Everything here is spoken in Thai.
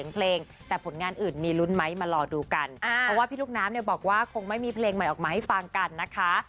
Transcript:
พี่ลุกน้ำบอกว่าคงไม่มีเพลงใหม่ออกมาให้ฟังกันแล้วค่ะ